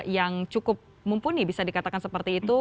yang cukup mumpuni bisa dikatakan seperti itu